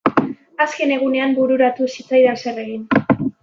Azken egunean bururatu zitzaidan zer egin.